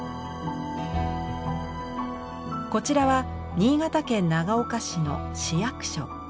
こちらは新潟県長岡市の市役所。